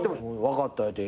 分かった言うて。